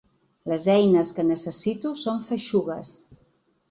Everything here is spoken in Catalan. Les eines que necessito són feixugues.